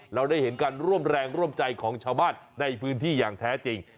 เราได้เห็นการร่วมแรงร่วมใจของชาวบ้านในพื้นที่อย่างแท้จริง